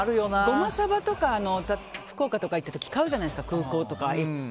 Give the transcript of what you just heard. ゴマサバとか、福岡行った時に買うじゃないですか、空港とかで。